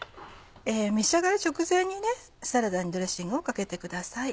召し上がる直前にサラダにドレッシングをかけてください。